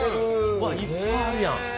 うわいっぱいあるやん。